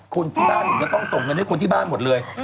คนที่บ้านหนูจะต้องส่งเข้าใจพวกคนที่บ้านหมดเลย